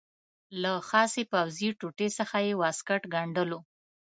له خاصې پوځي ټوټې څخه یې واسکټ ګنډلو.